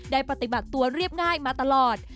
ปฏิบัติตัวเรียบง่ายมาตลอด